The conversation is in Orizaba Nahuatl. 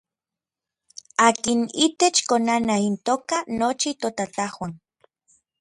Akin itech konanaj intoka nochi totajuan.